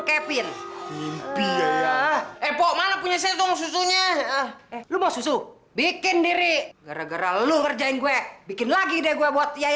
kalau pusing harus tambah lagi abi